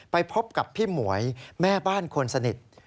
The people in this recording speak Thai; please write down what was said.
ไปพบกับพี่หมวยแม่บ้านคนสนิท